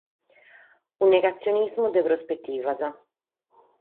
Unu negatzionismu de prospetivas.